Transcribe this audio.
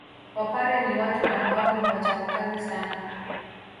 Wapare ni watu ambao ni wachapakazi sana